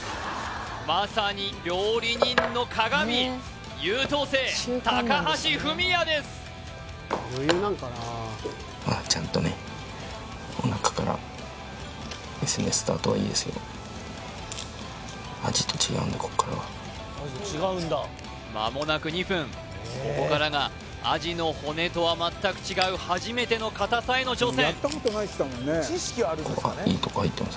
まさに料理人の鑑優等生高橋文哉ですまもなく２分ここからがアジの骨とは全く違う初めての硬さへの挑戦